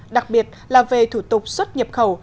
đặc biệt là về thủ tục xuất nhập khẩu